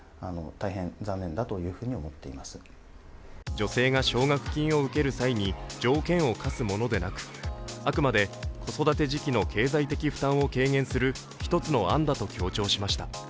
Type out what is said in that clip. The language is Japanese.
女性が奨学金を受ける際に条件を課すものではなくあくまで子育て時期の経済的負担を軽減する一つの案だと強調しました。